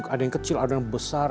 ada yang kecil ada yang besar